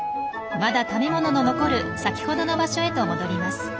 まだ食べ物の残る先ほどの場所へと戻ります。